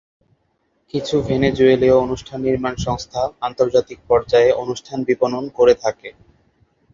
কিছু ভেনেজুয়েলীয় অনুষ্ঠান নির্মাণ সংস্থা আন্তর্জাতিক পর্যায়ে অনুষ্ঠান বিপণন করে থাকে।